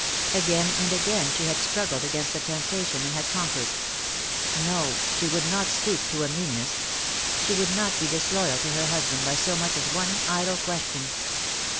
Again and again she had struggled against the temptation and had conquered. No, she would not stoop to a meanness. She would not be disloyal to her husband by so much as one idle question.